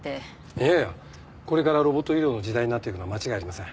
いやいやこれからロボット医療の時代になっていくのは間違いありません。